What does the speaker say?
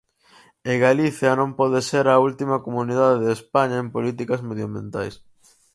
E Galicia non pode ser a última comunidade de España en políticas medioambientais.